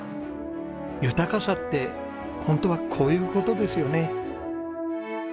豊かさってホントはこういう事ですよね。